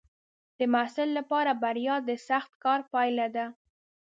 د محصل لپاره بریا د سخت کار پایله ده.